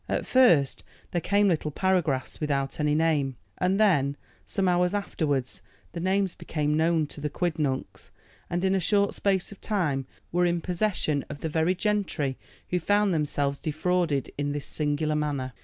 At first there came little paragraphs without any name, and then, some hours afterward, the names became known to the quidnuncs, and in a short space of time were in possession of the very gentry who found themselves defrauded in this singular manner.